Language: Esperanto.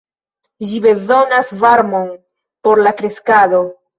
Ĝi bezonas varmon por la kreskado.